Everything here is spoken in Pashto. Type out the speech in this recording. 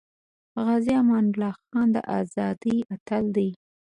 غازی امان الله خان د ازادی اتل دی